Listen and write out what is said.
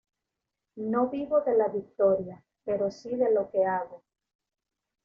No vivo de la victoria, pero sí de lo que hago".